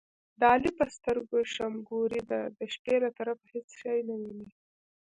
د علي په سترګو شمګوري ده، د شپې له طرفه هېڅ شی نه ویني.